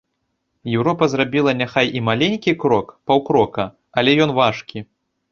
Еўропа зрабіла няхай і маленькі крок, паўкрока, але ён важкі.